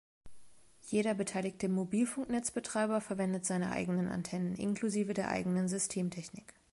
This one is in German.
Jeder beteiligte Mobilfunknetzbetreiber verwendet seine eigenen Antennen inklusive der eigenen Systemtechnik.